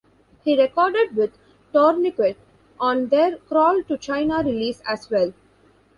He recorded with Tourniquet on their "Crawl to China" release as well.